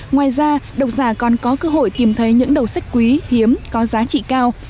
ngoài ra độc giả còn có cơ hội tìm thấy những đầu sách quý hiếm có giá trị cao